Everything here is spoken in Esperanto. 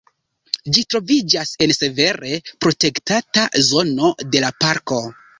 Ĝi troviĝas en severe protektata zono de la parko.